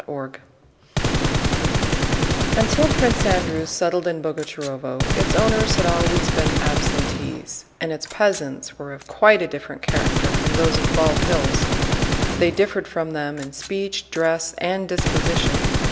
CHAPTER IX Until Prince Andrew settled in Boguchárovo its owners had always been absentees, and its peasants were of quite a different character from those of Bald Hills. They differed from them in speech, dress, and disposition.